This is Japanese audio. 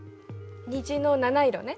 虹の七色ね。